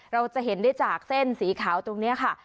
เราจะเห็นได้จากเส้นสีขาวตรงนี้ค่ะ